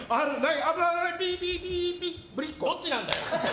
どっちなんだよ？